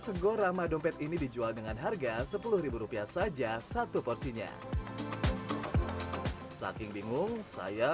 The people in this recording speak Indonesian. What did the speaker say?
segorama dompet ini dijual dengan harga sepuluh rupiah saja satu porsinya saking bingung saya